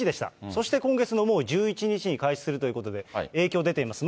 そして今月のもう１１日に開始するということで、影響出ています。